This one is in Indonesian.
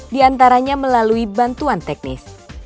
di antaranya melalui bantuan teknis